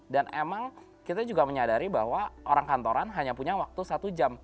dan emang kita juga menyadari bahwa orang kantoran hanya punya waktu satu jam